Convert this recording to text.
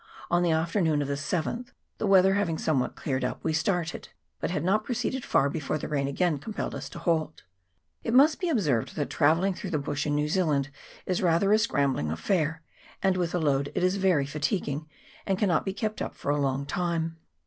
On the afternoon of the 7th, the weather having somewhat cleared up, we started, but had not proceeded far before the rain again compelled us to halt. It must be observed that travelling through the bush in New Zealand is rather a scrambling affair, and with a load is very fatiguing, and cannot be kept up for a long time.